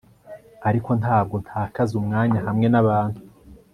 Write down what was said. ariko ntabwo ntakaza umwanya hamwe n'abantu